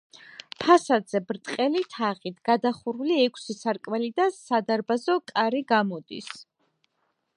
ფასადზე ბრტყელი თაღით გადახურული ექვსი სარკმელი და სადარბაზო კარი გამოდის.